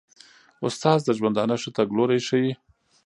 استاد د ژوندانه ښه تګلوری ښيي.